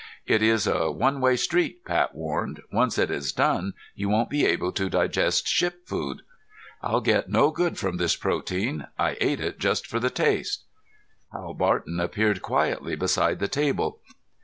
"It is a one way street," Pat warned. "Once it is done, you won't be able to digest ship food. I'll get no good from this protein. I ate it just for the taste." Hal Barton appeared quietly beside the table.